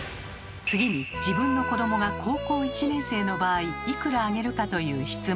次に自分の子どもが高校１年生の場合いくらあげるかという質問。